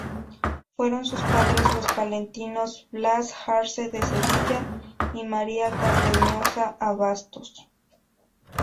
Fueron sus padres los palentinos Blas Arce de Sevilla y María Cardeñosa Abastos.